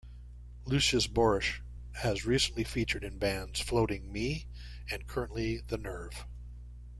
Lucius Borich has recently featured in bands Floating Me, and currently the Nerve.